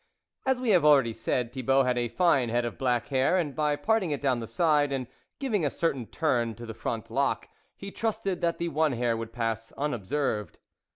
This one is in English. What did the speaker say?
As we have already said, Thibault had a fine head of black hair, and by parting it down the side, and giving a certain turn to the front lock, he trusted that the one hair would pass unobserved.